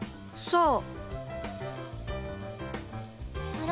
「そう！」。